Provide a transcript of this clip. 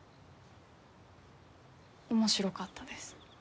面白かったです。